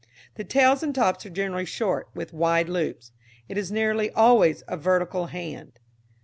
The tails and tops are generally short, with wide loops. It is nearly always a vertical hand.